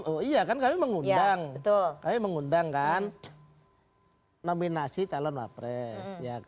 oh iya kan kami mengundang kami mengundang kan nominasi calon wapres